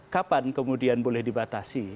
kapan kemudian boleh dibatasi